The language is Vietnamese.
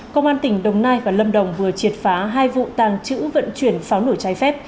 công an tỉnh đồng nai và lâm đồng vừa triệt phá hai vụ tàng trữ vận chuyển pháo nổ trái phép